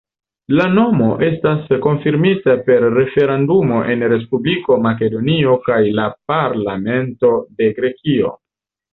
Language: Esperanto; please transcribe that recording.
La nomo estas konfirmita per referendumo en Respubliko Makedonio kaj la parlamento de Grekio.